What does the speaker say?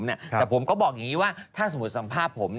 แต่ผมก็บอกอย่างนี้ว่าถ้าสมมุติสัมภาษณ์ผม